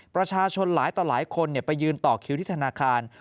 ประชาชนหลายต่อหลายคนไปยืนต่อคิวที่ธนาคาร